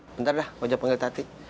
bentar dah wajah panggil tati